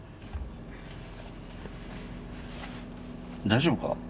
大丈夫か？